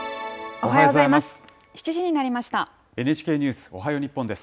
おはようございます。